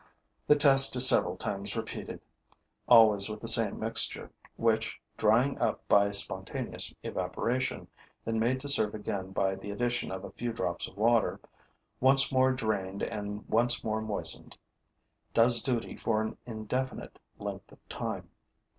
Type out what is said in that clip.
The test is several times repeated, always with the same mixture, which, drying up by spontaneous evaporation, then made to serve again by the addition of a few drops of water, once more drained and once more moistened, does duty for an indefinite length of time.